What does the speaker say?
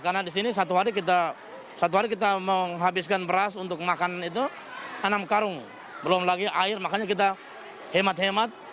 karena di sini satu hari kita menghabiskan beras untuk makanan itu enam karung belum lagi air makanya kita hemat hemat